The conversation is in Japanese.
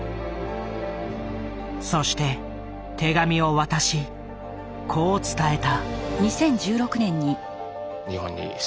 そして手紙を渡しこう伝えた。